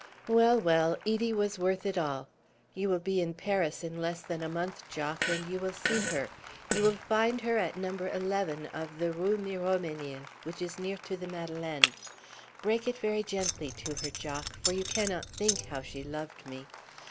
Well, well, Edie was worth it all! You will be in Paris in less than a month, Jock, and you will see her. You will find her at No. 11 of the Rue Miromesnil, which is near to the Madeleine. Break it very gently to her, Jock, for you cannot think how she loved me.